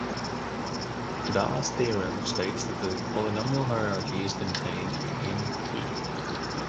Toda's theorem states that the polynomial hierarchy is contained in P.